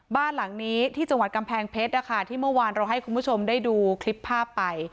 บ้านหลังนี้ที่จังหวัดกำแพงเพชรนะคะที่เมื่อวานเราให้คุณผู้ชมได้ดูคลิปภาพไป